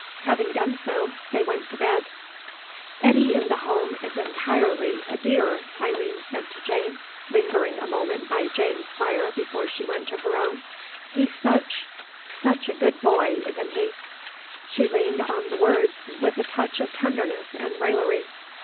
Having done so, they went to bed. "Eddy in the home is entirely a dear," Eileen said to Jane, lingering a moment by Jane's fire before she went to her own. "He's such such a good boy, isn't he?" She leant on the words, with a touch of tenderness and raillery.